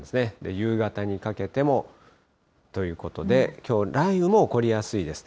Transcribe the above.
夕方にかけても、ということで、きょう雷雨も起こりやすいです。